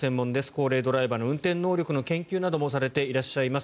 高齢ドライバーの運転能力の研究などもされていらっしゃいます